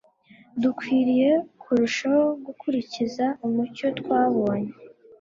dukwiriye kurushaho gukurikiza umucyo twabonye